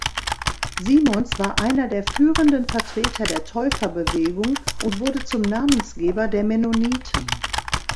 Simons war einer der führenden Vertreter der Täuferbewegung und wurde zum Namensgeber der Mennoniten.